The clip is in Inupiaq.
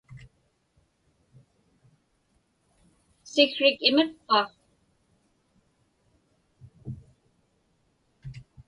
Siksrik imiqpa?